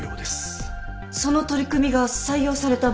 その取り組みが採用された場合は？